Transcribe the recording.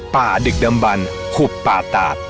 ดึกดำบันขุบป่าตาด